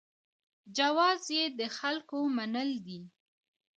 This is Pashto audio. جواز یې د خلکو منل دي.